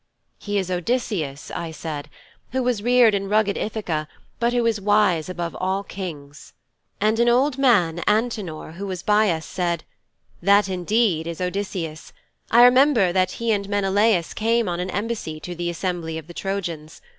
"' '"He is Odysseus," I said, "who was reared in rugged Ithaka, but who is wise above all the Kings."' 'And an old man, Antenor, who was by us said, "That indeed is Odysseus. I remember that he and Menelaus came on an embassy to the assembly of the Trojans.